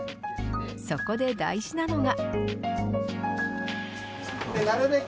そこで大事なのが。